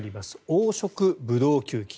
黄色ブドウ球菌。